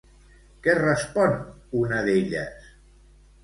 Què respon una d'elles?